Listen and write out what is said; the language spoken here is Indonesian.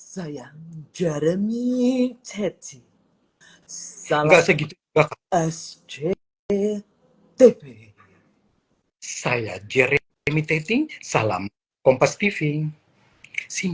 sayang jeremy cc sama segitu sctv saya jeremy teting salam kompas tv simple aja tapi menanyain